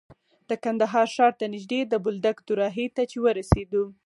د کندهار ښار ته نژدې د بولدک دوراهي ته چې ورسېدو.